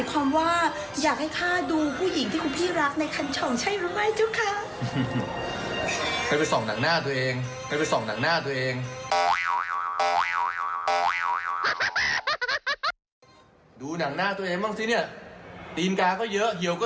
คุยอย่างกระจกทิ้งแทบไม่ทันเลยคุณพี่หมื่น